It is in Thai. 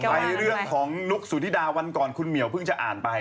ไปเรื่องของนุกสุธิดาวันก่อนคุณเหมียวเพิ่งจะอ่านไป